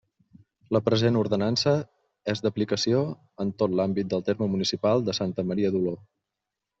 La present Ordenança és d'aplicació en tot l'àmbit del terme municipal de Santa Maria d'Oló.